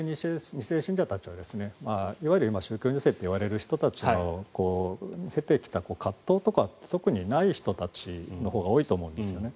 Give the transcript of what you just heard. ２世信者たちはいわゆる宗教２世といわれる人たちの出てきた葛藤とかが特にない人たちのほうが多いと思うんですよね。